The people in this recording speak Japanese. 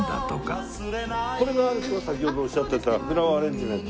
これが先ほどおっしゃってたフラワーアレンジメント？